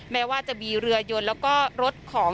แม้ว่าจะมีเรือยนแล้วก็รถของ